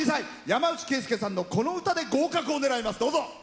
山内惠介さんのこの歌で合格を狙います。